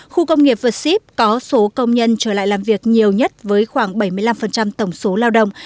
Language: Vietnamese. khu công nghiệp vượt ship có số công nhân trở lại làm việc nhiều nhất với khoảng bảy mươi năm tổng số lao động